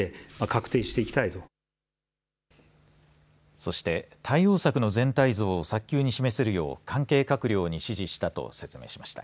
そして、対応策の全体像を早急に示せるよう関係閣僚に指示したと説明しました。